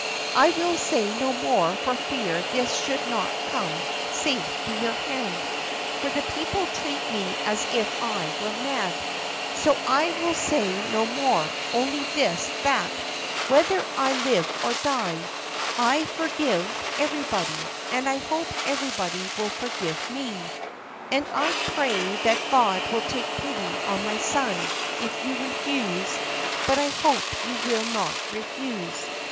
"I will say no more for fear this should not come safe to your hand, for the people treat me as if I were mad; so I will say no more, only this, that, whether I live or die, I forgive everybody, and I hope everybody will forgive me. And I pray that God will take pity on my son, if you refuse; but I hope you will not refuse.